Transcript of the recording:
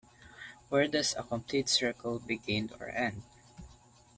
Where does a complete circle begin or end?